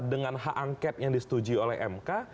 dengan hak angket yang disetujui oleh mk